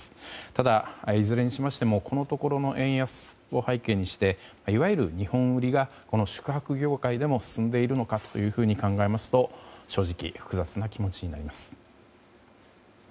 ただ、いずれにしてもこのところの円安を背景にしていわゆる日本売りがこの宿泊業界でも進んでいるのかというふうに考えますと正直、複雑な気持ちになります。